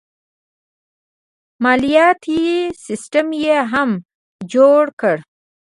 مالیاتي سیستم یې هم جوړ کړ.